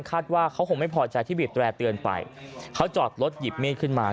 คาดว่าเขาคงไม่พอใจที่บีดแร่เตือนไปเขาจอดรถหยิบมีดขึ้นมา